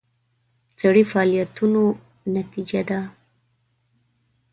سړي فعالیتونو نتیجه ده.